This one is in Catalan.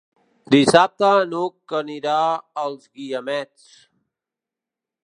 Dissabte n'Hug anirà als Guiamets.